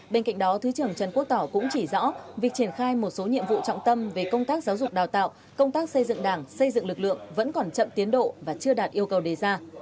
bên cạnh đó thứ trưởng trần quốc tỏ cũng chỉ rõ việc triển khai một số nhiệm vụ trọng tâm về công tác giáo dục đào tạo công tác xây dựng đảng xây dựng lực lượng vẫn còn chậm tiến độ và chưa đạt yêu cầu đề ra